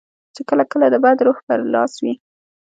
چې کله کله د بد روح پر لاس وي.